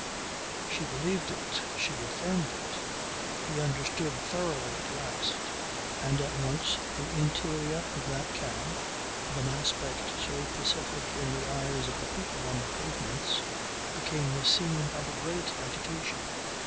She believed it, she affirmed it. He understood thoroughly at last, and at once the interior of that cab, of an aspect so pacific in the eyes of the people on the pavements, became the scene of a great agitation.